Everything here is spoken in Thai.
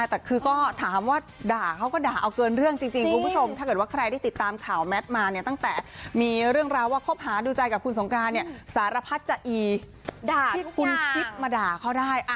แต่คือก็ถามว่าด่าเขาก็ด่าเอาเกินเรื่องจริงคุณผู้ชมถ้าเกิดว่าใครได้ติดตามข่าวแมทมาเนี่ยตั้งแต่มีเรื่องราวว่าคบหาดูใจกับคุณสงการเนี่ยสารพัดจะอีด่าที่คุณคิดมาด่าเขาได้